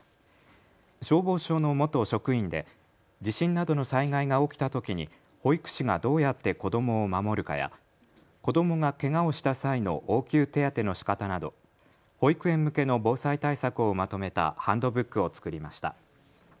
消防署の元職員で地震などの災害が起きたときに保育士がどうやって子どもを守るかや、子どもがけがをした際の応急手当てのしかたなど保育園向けの防災対策をまとめたハンドブックを作りました。